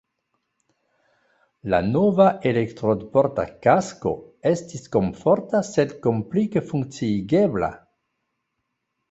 La nova elektrodporta kasko estis komforta, sed komplike funkciigebla.